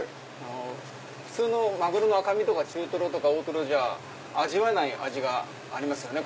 普通のマグロの赤身とか中トロとか大トロじゃ味わえない味がありますよね。